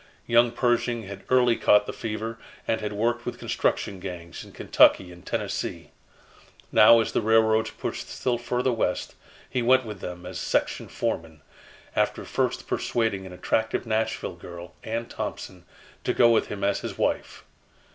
Young Pershing had early caught the fever, and had worked with construction gangs in Kentucky and Tennessee. Now as the railroads pushed still further West, he went with them as section foreman after first persuading an attractive Nashville girl, Ann Thompson, to go with him as his wife.